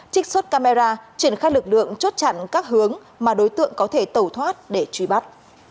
trích xuất camera triển khai lực lượng chốt chặn các hướng mà đối tượng có thể tẩu thoát để truy bắt